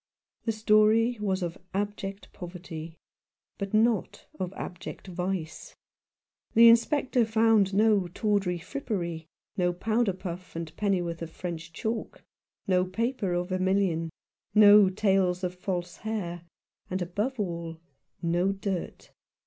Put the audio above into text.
The story was of abject poverty, but not of abject vice. The 9i Rough Justice. Inspector found no tawdry frippery, no powder^ puff and pennyworth of French chalk ; no paper of vermilion ; no tails of false hair ; and, above all, no dirt.